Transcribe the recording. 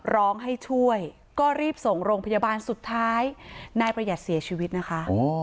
ร้องให้ช่วยก็รีบส่งโรงพยาบาลสุดท้ายนายประหยัดเสียชีวิตนะคะ